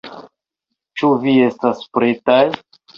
Ĉu vi estas pretaj?